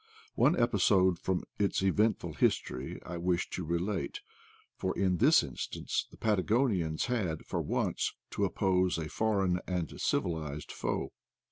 One episode from its eventful history I wish to relate, for in this instance the Patagonians had, for once, to oppose a foreign and civilized foe.